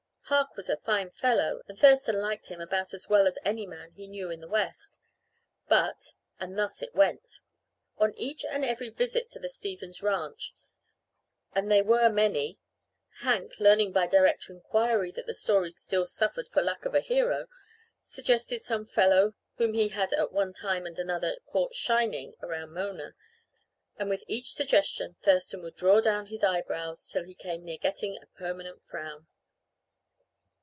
Park was a fine fellow, and Thurston liked him about as well as any man he knew in the West, but And thus it went. On each and every visit to the Stevens ranch and they were many Hank, learning by direct inquiry that the story still suffered for lack of a hero, suggested some fellow whom he had at one time and another caught "shining" around Mona. And with each suggestion Thurston would draw down his eyebrows till he came near getting a permanent frown.